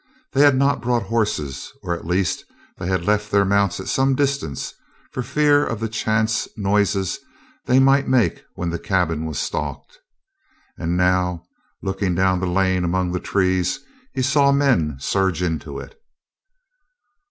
They had not brought horses, or at least they had left their mounts at some distance, for fear of the chance noises they might make when the cabin was stalked. And now, looking down the lane among the trees, he saw men surge into it.